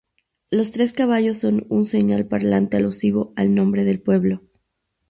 Los tres caballos son un señal parlante alusivo al nombre del pueblo.